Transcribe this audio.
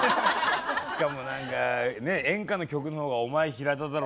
しかも何か演歌の曲の方が「お前平田だろ！」っていうね。